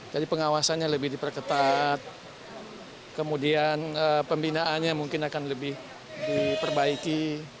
jadi pengawasannya lebih diperketat kemudian pembinaannya mungkin akan lebih diperbaiki